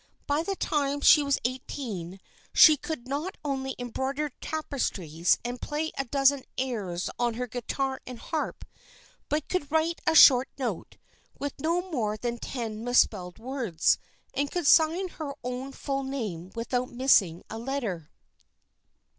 By the time she was eighteen, she could not only embroider tapestries, and play a dozen airs on her guitar and harp, but could write a short note, with not more than ten misspelled words, and could sign her own full name without missing a letter.